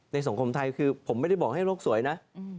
สังคมไทยคือผมไม่ได้บอกให้โลกสวยนะ